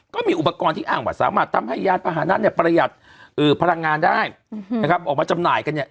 ก็มีอุปกรณ์ที่อ้างว่าสามารถทำให้ยานพาหนะเนี่ยประหยัดพลังงานได้นะครับออกมาจำหน่ายกันเนี่ย